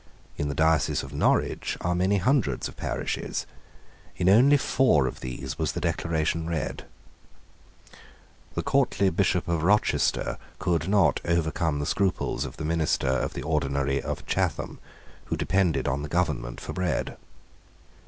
In the diocese of Norwich are many hundreds of parishes. In only four of these was the Declaration read. The courtly Bishop of Rochester could not overcome the scruples of the minister of the ordinary of Chatham, who depended on the government for bread.